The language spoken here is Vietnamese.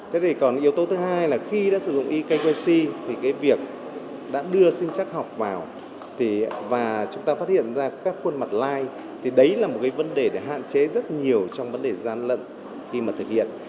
thế thì còn yếu tố thứ hai là khi đã sử dụng ekyc thì cái việc đã đưa sinh chắc học vào và chúng ta phát hiện ra các khuôn mặt lai thì đấy là một cái vấn đề để hạn chế rất nhiều trong vấn đề gian lận khi mà thực hiện